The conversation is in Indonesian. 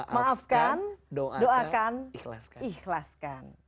maafkan doakan ikhlaskan